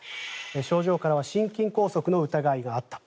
症状からは心筋梗塞の疑いがあった。